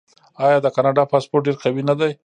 آیا د کاناډا پاسپورت ډیر قوي نه دی؟